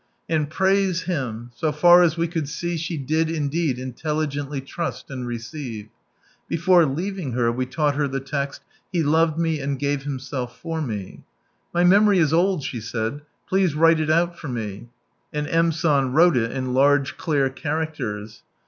And praise Him, so far as we couid see she did indeed intelligently trust and receive. Before leaving her we taught her the text, " He loved me and gave Himself for me." " My memory is old," she said, " please wrile it out, for me." And M. San wrote it in large clear characters.